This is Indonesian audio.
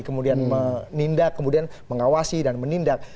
kemudian menindak kemudian mengawasi dan menindak